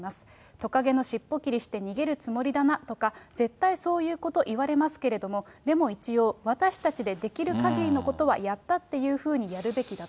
トカゲの尻尾切りして逃げるつもりだなとか、絶対そういうこと言われますけれども、でも一応、私たちのできるかぎりのことはやったっていうふうにやるべきだと。